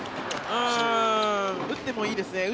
打ってもいいですね。